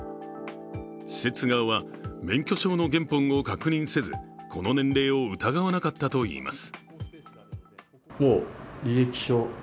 施設側は免許証の原本を確認せずこの年齢を疑わなかったといいます。